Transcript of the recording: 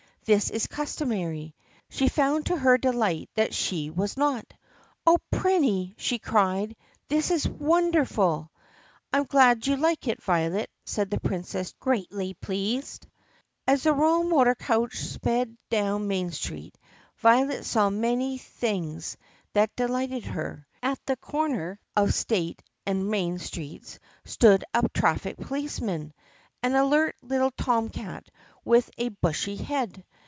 This is customary. She found to her de light that she was not. "Oh, Prinny!" she cried, "this is won derful!" "I 'm glad you like it, Violet," said the Princess greatly pleased. As the royal motor coach sped down Main Street Violet saw many things that delighted her. At the corner of State and Main Streets stood a traffic policeman — an alert little tom cat with a bushy head.